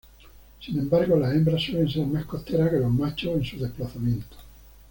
Sin embargo las hembras suelen ser más costeras que los machos en sus desplazamientos.